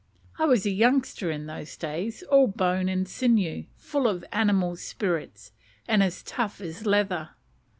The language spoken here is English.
I was a youngster in those days, all bone and sinew, full of animal spirits, and as tough as leather.